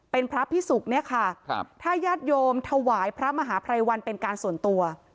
เป็นพระพิสุกถ้ายาดโยมถวายพระมหาไพรวันเป็นการส่วนตัว